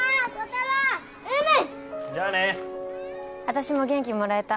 私も元気もらえた。